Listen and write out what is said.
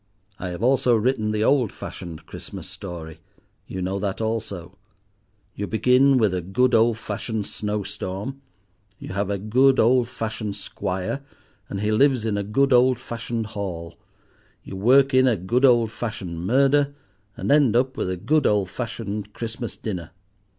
I have also written the old fashioned Christmas story—you know that also: you begin with a good old fashioned snowstorm; you have a good old fashioned squire, and he lives in a good old fashioned Hall; you work in a good old fashioned murder; and end up with a good old fashioned Christmas dinner.